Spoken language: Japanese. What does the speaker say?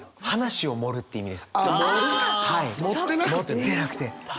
「盛ってなくて」ね。